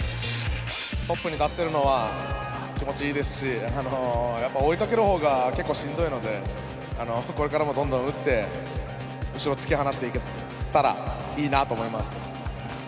トップに立ってるのは気持ち良いですし追い掛ける方がしんどいのでこれからもどんどん打って突き放していけたらいいなと思います。